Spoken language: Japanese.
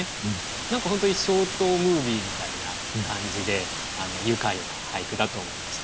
何か本当にショートムービーみたいな感じで愉快な俳句だと思いました。